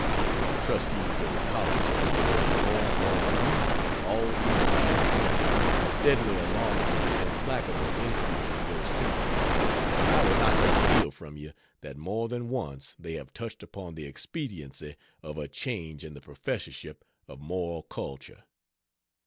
The trustees of the college have been growing more and more uneasy all these last months steadily along with the implacable increase in your census and I will not conceal from you that more than once they have touched upon the expediency of a change in the Professorship of Moral Culture.